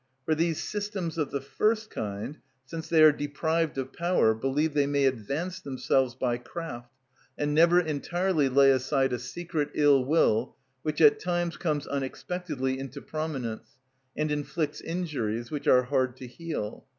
For these systems of the first kind, since they are deprived of power, believe they may advance themselves by craft, and never entirely lay aside a secret ill will which at times comes unexpectedly into prominence and inflicts injuries which are hard to heal.